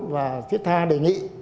và thiết tha đề nghị